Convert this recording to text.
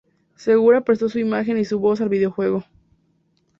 Segura prestó su imagen y su voz al videojuego.